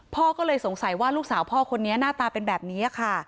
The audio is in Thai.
พ่อก็เลยสงสัยว่าลูกสาวพ่อคนนี้หน้าตาเป็นแบบนี้ค่ะ